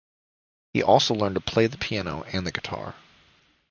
He also learned to play the piano and the guitar.